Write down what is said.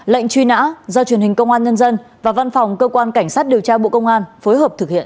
lệnh truy nã do truyền hình công an nhân dân và văn phòng cơ quan cảnh sát điều tra bộ công an phối hợp thực hiện